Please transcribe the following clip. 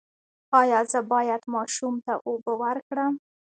ایا زه باید ماشوم ته اوبه ورکړم؟